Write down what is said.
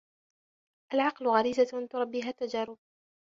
العقل غريزة تربيها التجارب